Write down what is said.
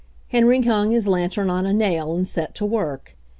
Henry hung his lantern on a nail and set to work.